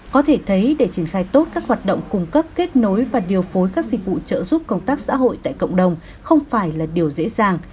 có thể thấy để triển khai tốt các hoạt động cung cấp kết nối và điều phối các dịch vụ trợ giúp công tác xã hội tại cộng đồng không phải là điều dễ dàng